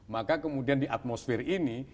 maka kemudian di atmosfer ini